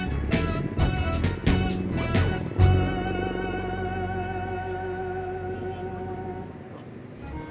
kaki lo tinggi sebelah